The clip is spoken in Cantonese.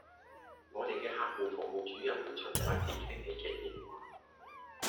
我地既客戶服務主任會盡快接聽你既電話